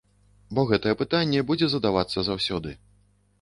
Бо гэтае пытанне будзе задавацца заўсёды.